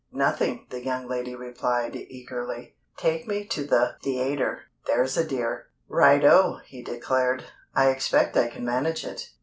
"Nothing," the young lady replied, eagerly. "Take me to the theatre, there's a dear." "Righto!" he declared. "I expect I can manage it."